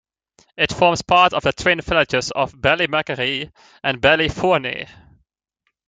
It forms part of the twin villages of Ballymakeery and Ballyvourney.